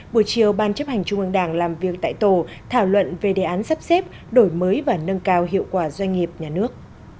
buổi chiều ban chấp hành trung ương đảng làm việc tại tổ thảo luận về đề án sắp xếp đổi mới và nâng cao hiệu quả doanh nghiệp nhà nước